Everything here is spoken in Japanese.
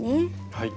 はい。